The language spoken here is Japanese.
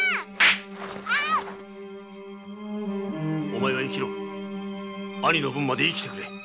「お前は生きろ兄の分まで生きよ」